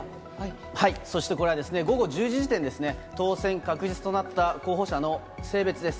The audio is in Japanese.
そしてこれは、午後１０時時点ですね、当選確実となった候補者の性別です。